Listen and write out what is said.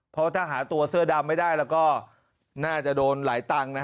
เพราะถ้าหาตัวเสื้อดำไม่ได้แล้วก็น่าจะโดนหลายตังค์นะ